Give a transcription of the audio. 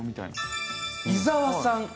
伊沢さん